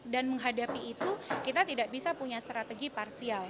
dan menghadapi itu kita tidak bisa punya strategi parsial